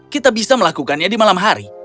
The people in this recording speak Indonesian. kita bisa melakukannya di malam hari